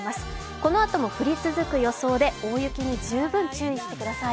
このあとも降り続く予想で大雪に十分注意してください。